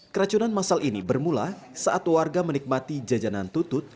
keracunan masal ini bermula saat warga menikmati jajanan tutut